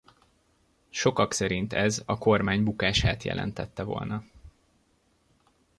Sokak szerint ez a kormány bukását jelentette volna.